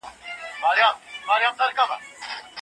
دلارام د نیمروز ولایت یوه ډېره ستراتیژیکه ولسوالي ده.